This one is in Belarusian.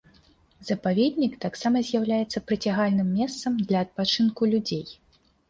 Запаведнік таксама з'яўляецца прыцягальным месцам для адпачынку людзей.